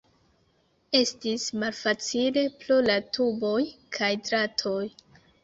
Estis malfacile pro la tuboj kaj dratoj.